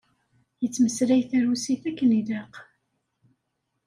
Yettmeslay tarusit akken ilaq.